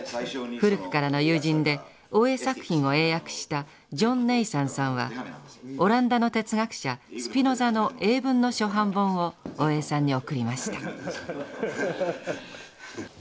古くからの友人で大江作品を英訳したジョン・ネイサンさんはオランダの哲学者スピノザの英文の初版本を大江さんに贈りました。